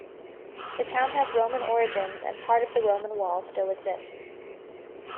The town has Roman origins and part of the Roman wall still exists.